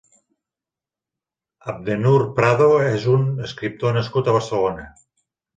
Abdennur Prado és un escriptor nascut a Barcelona.